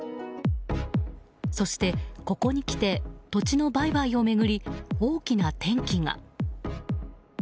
そして、ここに来て土地の売買を巡り大きな転機が。